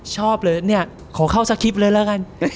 ชอบเลยเนี่ยขอเข้าสคริปต์เลยแล้วกัน